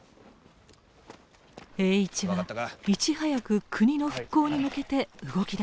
栄一はいち早く国の復興に向けて動き出すのです。